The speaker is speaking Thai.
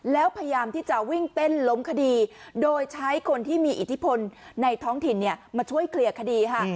แล้วพยายามที่จะวิ่งเต้นล้มคดีโดยใช้คนที่มีอิทธิพลในท้องถิ่นมาช่วยเคลียร์คดีค่ะ